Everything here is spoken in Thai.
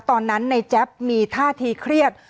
ตอนนั้นในแจ๊บมีท่าทีเครียด